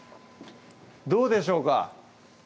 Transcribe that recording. どうでしょうか？